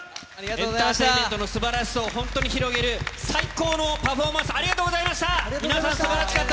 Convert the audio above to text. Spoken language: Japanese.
エンターテインメントのすばらしさを本当に広げる最高のパフォーマンス、ありがとうございました。